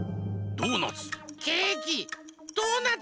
ドーナツ。